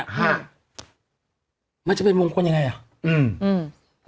ฮะมันจะเป็นมงคลยังไงอ่ะอืมอืม